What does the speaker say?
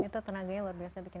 itu tenaganya luar biasa